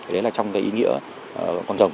đấy là trong ý nghĩa con rồng